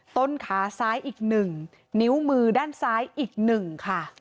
ต้นขาซ้ายอีก๑นิ้วมือด้านซ้ายอีก๑ค่ะ